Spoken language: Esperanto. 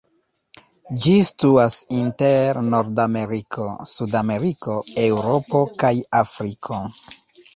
Ĝi situas inter Nordameriko, Sudameriko, Eŭropo kaj Afriko.